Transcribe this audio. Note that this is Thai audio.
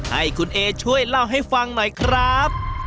ให้คุณเอช่วยเล่าให้ฟังหน่อยครับ